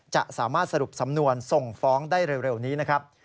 จะสามารถสรุปสำนวนส่งฟ้องได้เร็วนี้นะครับ